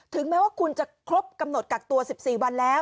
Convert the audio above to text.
แม้ว่าคุณจะครบกำหนดกักตัว๑๔วันแล้ว